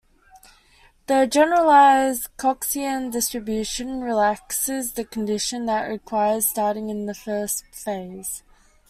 The generalised Coxian distribution relaxes the condition that requires starting in the first phase.